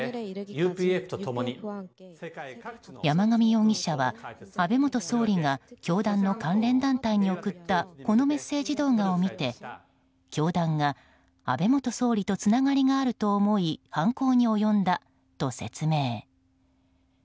山上容疑者は、安倍元総理が教団の関連団体に送ったこのメッセージ動画を見て教団が安倍元総理とつながりがあると思い犯行に及んだと説明。